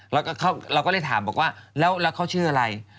แล้วก็เราเลยถามว่าเขาชื่ออะไร